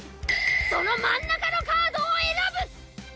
その真ん中のカードを選ぶ！